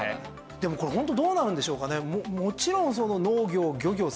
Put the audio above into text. でもこれホントどうなるんでしょうかね？